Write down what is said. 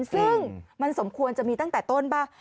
ซึ่งมันสมควรจะมีตั้งแต่ต้นป่ะ